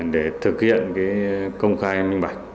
để thực hiện công khai minh bạch